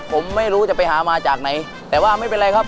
ผมไม่รู้จะไปหามาจากไหนแต่ว่าไม่เป็นไรครับ